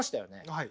はい。